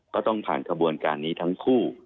ก็ต้องผ่านกระบวนการนี้ทั้งคู่